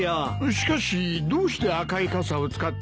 しかしどうして赤い傘を使っていたんだ？